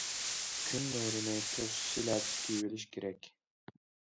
كۈن نۇرىنى توسۇش شىلەپىسى كىيىۋېلىش كېرەك.